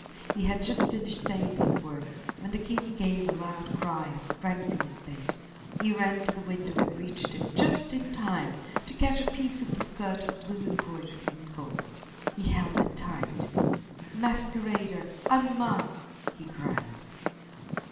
He had just finished saying these words when the king gave a loud cry and sprang from his bed. He ran to the window and reached it just in time to catch a piece of the skirt of blue embroidered in gold. He held it tight. "Masquerader, unmask!" he cried.